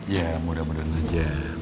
ya mudah mudahan aja